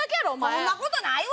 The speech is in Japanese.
そんな事ないわ！